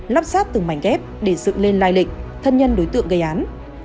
lắp sát từng mảnh ghép để dựng lên lai lịch thân nhân đối tượng gây án